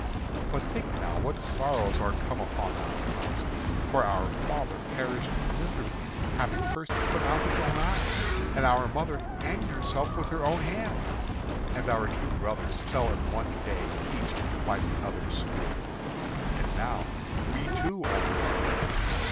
"But think now what sorrows are come upon our house. For our father perished miserably, having first put out his own eyes; and our mother hanged herself with her own hands; and our two brothers fell in one day, each by the other's spear; and now we two only are left.